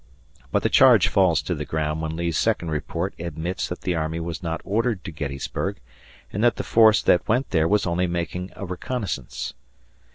But the charge falls to the ground when Lee's second report admits that the army was not ordered to Gettysburg, and that the force that went there was only making a reconnaissance.